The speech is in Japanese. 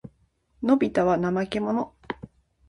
のびたは怠けもの。